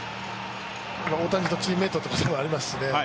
大谷とチームメイトということもありますし。